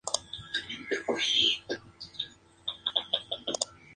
Por su parte, los seguidores de Mitre formaron la Unión Cívica Nacional.